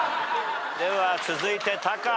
では続いてタカ。